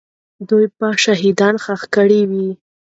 دوی به شهیدان ښخ کړي وي.